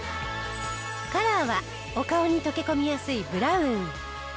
カラーはお顔に溶け込みやすいブラウン。